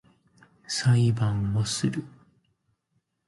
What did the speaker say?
裁判をする